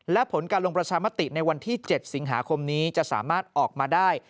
และผลการลงประชามติในวันที่๗สิงหาคมนี้จะสามารถออกมาได้